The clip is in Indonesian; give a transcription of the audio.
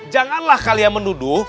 janganlah kalian menuduh